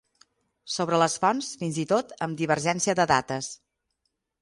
Sobre les fonts, fins i tot amb divergència de dates.